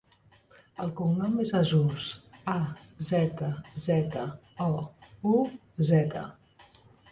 El cognom és Azzouz: a, zeta, zeta, o, u, zeta.